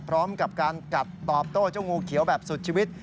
พร้อมกับการกัดตอบโต้เจ้างูเขียวแบบสุดชีวิต